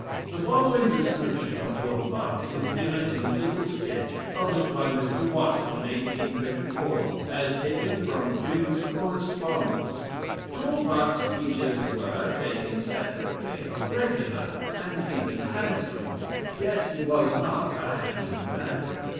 The following description of D'Holbach is given in a little sketch, published by Mr. Watson in 1834, as taken from Grimm's "Correspondence:" "D'Hol bach's features were, taken separately, regular, and even handsome, yet he was not a handsome man.